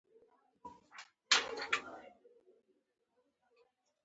احمد د علي خوټو ته اوبه ور اچوي.